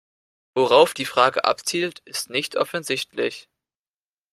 Worauf die Frage abzielt, ist nicht offensichtlich.